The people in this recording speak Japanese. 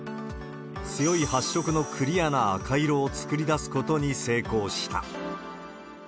強い発色のクリアな赤色を作り出すことに成功した。